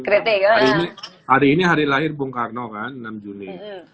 kreatif hari ini hari lahir bongkarno kan enam june